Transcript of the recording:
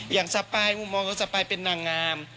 สปายมุมมองของสปายเป็นนางงาม